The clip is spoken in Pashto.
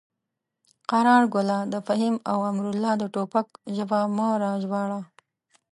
قراره ګله د فهیم او امرالله د ټوپک ژبه مه راژباړه.